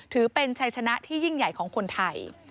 ถือเป็นชัยชนะที่ยิ่งใหญ่ของคนไทย